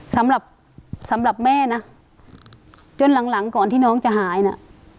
สำหรับสำหรับแม่นะจนหลังหลังก่อนที่น้องจะหายนะ